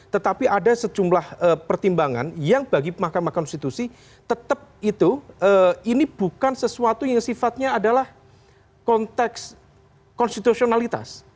tetapi ada sejumlah pertimbangan yang bagi mahkamah konstitusi tetap itu ini bukan sesuatu yang sifatnya adalah konteks konstitusionalitas